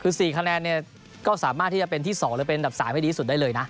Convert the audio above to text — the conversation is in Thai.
คือ๔คะแนนเนี่ยก็สามารถที่จะเป็นที่๒หรือเป็นอันดับ๓ให้ดีที่สุดได้เลยนะ